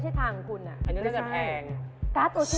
พอได้แต่บาร์บี้